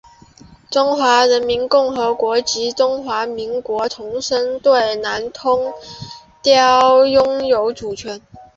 中华人民共和国及中华民国重申对南通礁拥有主权。